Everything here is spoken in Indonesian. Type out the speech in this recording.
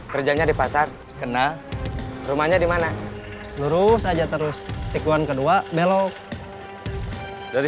kerjanya di pasar kena rumahnya dimana lurus aja terus tikuan kedua belok dari